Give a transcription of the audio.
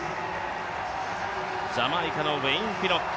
ジャマイカのウェイン・ピノック